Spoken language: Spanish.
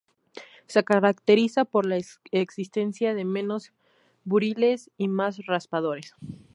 Se caracteriza por la existencia de menos buriles y más raspadores.